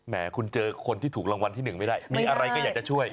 คุณเจอคนที่ถูกรางวัลที่๑ไม่ได้มีอะไรก็อยากจะช่วย